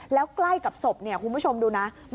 แล้วใกล้กับศพเนี่ยคุณผู้ชมดูนะ